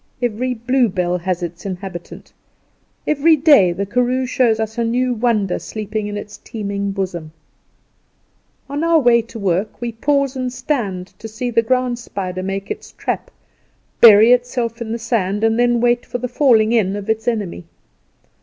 Every bluebell has its inhabitant. Every day the karoo shows us a new wonder sleeping in its teeming bosom. On our way back to work we pause and stand to see the ground spider make its trap, bury itself in the sand, and then wait for the falling in of its enemy.